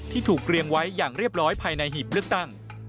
ถูกเรียงไว้อย่างเรียบร้อยภายในหีบเลือกตั้ง